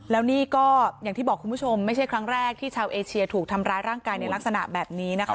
แล้วนี่ก็อย่างที่บอกคุณผู้ชมไม่ใช่ครั้งแรกที่ชาวเอเชียถูกทำร้ายร่างกายในลักษณะแบบนี้นะคะ